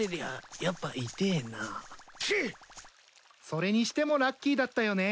それにしてもラッキーだったよね。